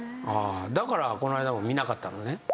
だからこの間も見なかったのね。